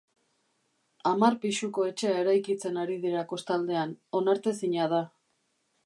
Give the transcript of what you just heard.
Hamar pixuko etxea eraikitzen ari dira kostaldean, onartezina da.